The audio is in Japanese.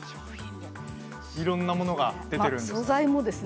いろんなものが出ているんです。